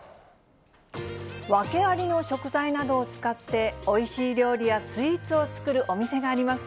訳ありの食材などを使って、おいしい料理やスイーツを作るお店があります。